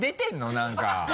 何か。